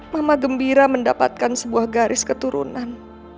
mama gembira mendapatkan sebuah garis keturunan